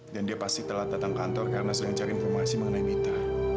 dan dia pasti telat datang kantor karena sedang cari informasi mengenai mita